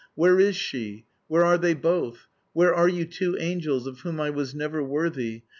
Where is she? Where are they both? Where are you two angels of whom I was never worthy?